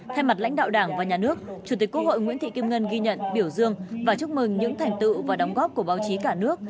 thay mặt lãnh đạo đảng và nhà nước chủ tịch quốc hội nguyễn thị kim ngân ghi nhận biểu dương và chúc mừng những thành tựu và đóng góp của báo chí cả nước